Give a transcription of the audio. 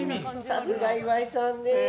さすが岩井さんね。